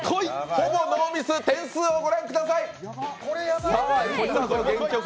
ほぼノーミス点数をご覧ください。